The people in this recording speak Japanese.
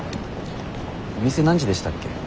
お店何時でしたっけ？